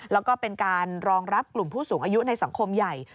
แล้วก็เป็นการรองรับกลุ่มผู้สูงอายุในสังคมใหญ่